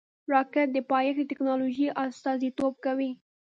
راکټ د پایښت د ټېکنالوژۍ استازیتوب کوي